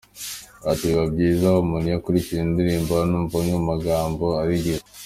Ati “ Biba byiza umuntu iyo akurikira indirimbo anumva amwe mu magambo ayigize.